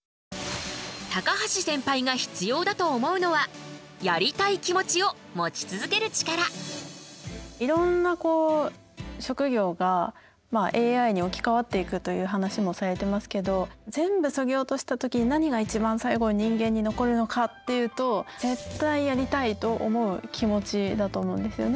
高橋センパイが必要だと思うのは「やりたい気持ち」を持ち続けるチカラ。という話もされてますけど全部そぎ落とした時に何が一番最後人間に残るのかっていうと絶対やりたいと思う気持ちだと思うんですよね。